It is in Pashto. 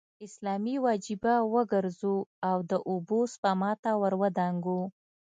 اسلامي وجیبه وګرځو او د اوبو سپما ته ور ودانګو.